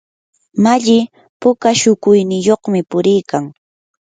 malli puka shukuyniyuqmi puriykan.